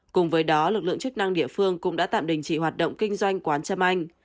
cùng với đó lực lượng chức năng địa phương cũng đã tạm đình chỉ hoạt động kinh doanh quán trâm anh